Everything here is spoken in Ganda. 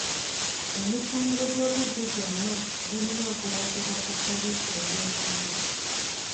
Emisango gy'obubbi gyonna girina okuloopebwa ku poliisi eri okumpi.